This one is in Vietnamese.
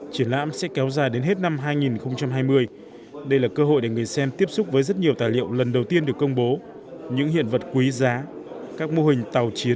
triển lãm sẽ kéo dài đến hết năm hai nghìn hai mươi đây là cơ hội để người xem tiếp xúc với rất nhiều tài liệu lần đầu tiên được công bố những hiện vật quý giá các mô hình tàu chiến